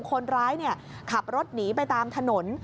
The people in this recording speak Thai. คนร้ายขับรถหนีไปตามถนน